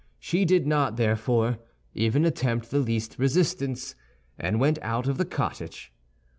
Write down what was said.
She did not, therefore, even attempt the least resistance, and went out of the cottage.